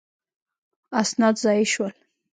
اسناد ضایع شول.